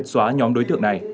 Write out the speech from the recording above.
xóa nhóm đối tượng này